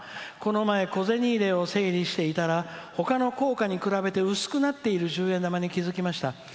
「この前小銭入れを整理していたらほかの硬貨に比べて薄くなっている十円玉に気付きました。